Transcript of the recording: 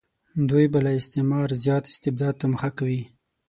دوی به له استعمار زیات استبداد ته مخه کوي.